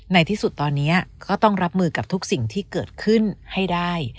ในที่สุดตอนนี้ก็ต้องรับมือกับทุกสิ่งที่เกิดขึ้นให้ได้